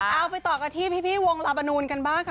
เอาไปต่อกันที่พี่วงลาบานูนกันบ้างค่ะ